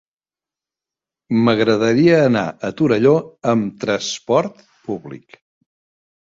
M'agradaria anar a Torelló amb trasport públic.